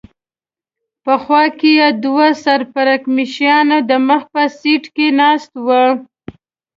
په خوا کې یې دوه سر پړکمشران د مخ په سېټ کې ناست و.